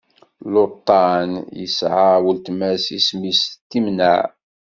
Luṭan yesɛa weltma-s isem-is Timnaɛ.